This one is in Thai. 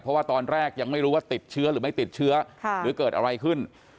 เพราะว่าตอนแรกยังไม่รู้ว่าติดเชื้อหรือไม่ติดเชื้อหรือเกิดอะไรขึ้น